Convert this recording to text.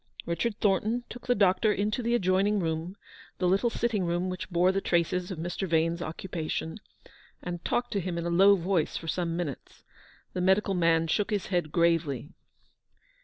Richard Thornton took the doctor into the adjoining room, the little sitting room which bore the traces of Mr. Vane's occupation, and talked to him in a low voice for some minutes. The medical man shook his head gravely.